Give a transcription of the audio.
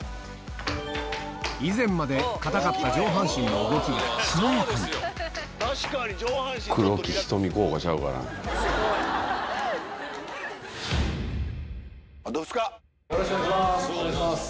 以前まで硬かった上半身の動きがしなやかによろしくお願いします。